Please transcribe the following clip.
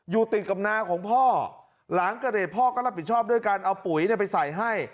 อยู่ติดกับนาของพ่อหลังเกิดเหตุพ่อก็รับผิดชอบด้วยการเอาปุ๋ยไปใส่ให้